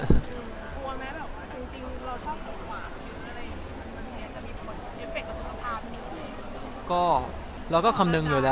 อ้วนไหมจริงเราชอบหัวหวานมันมีความเอฟเฟคกับสุขภาพมันอยู่ไหม